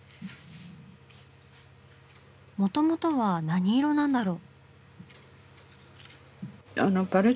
もともとは何色なんだろう？